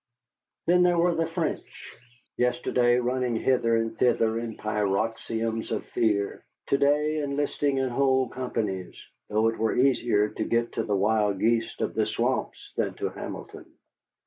Then there were the French yesterday, running hither and thither in paroxysms of fear; to day, enlisting in whole companies, though it were easier to get to the wild geese of the swamps than to Hamilton.